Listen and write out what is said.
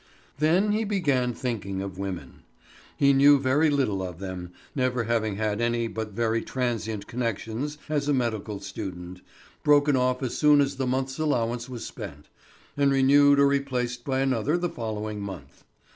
Then he began thinking of women. He knew very little of them, never having had any but very transient connections as a medical student, broken off as soon as the month's allowance was spent, and renewed or replaced by another the following month.